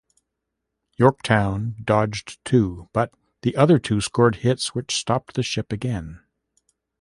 "Yorktown" dodged two, but the other two scored hits which stopped the ship again.